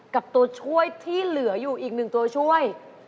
ตัวช่วยที่เหลืออยู่อีก๑ตัวช่วย